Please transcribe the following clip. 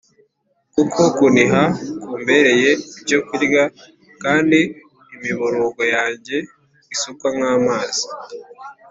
kuko kuniha kumbereye ibyokurya, kandi imiborogo yanjye isukwa nk’amazi